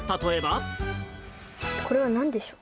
これはなんでしょう。